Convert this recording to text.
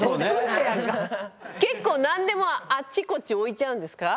結構何でもあっちこっち置いちゃうんですか？